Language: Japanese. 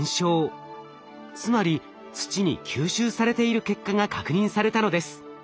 つまり土に吸収されている結果が確認されたのです。